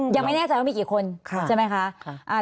ยังไม่แน่ใจว่ามีกี่คนใช่ไหมคะ